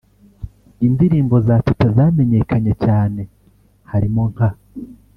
Indirimbo za Teta zamenyekanye cyane harimo nka